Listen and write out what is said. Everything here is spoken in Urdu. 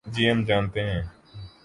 جی ہم جانتے ہیں۔